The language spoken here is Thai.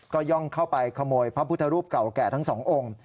ก็ย่องเข้าไปขโมยพระพุทธรูปเก่าแก่ทั้งสององค์